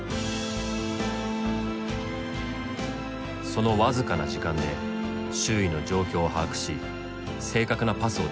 その僅かな時間で周囲の状況を把握し正確なパスを出すことができるのだ。